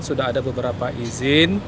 sudah ada beberapa izin